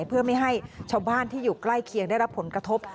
เพื่อไม่ให้ชาวบ้านที่อยู่ใกล้เคียงได้รับผลกระทบ